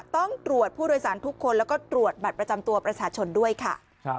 ต้องตรวจผู้โดยสารทุกคนแล้วก็ตรวจบัตรประจำตัวประชาชนด้วยค่ะ